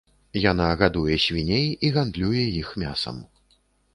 Яна гадуе свіней і гандлюе іх мясам.